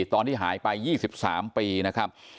ตอนที่หายไป๒๓ปีนะครับ